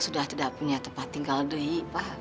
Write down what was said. sudah tidak punya tempat tinggal di